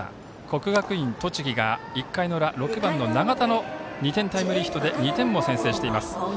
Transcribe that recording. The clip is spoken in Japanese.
国学院栃木が、１回の裏６番の長田の２点タイムリーヒットで２点を先制しています。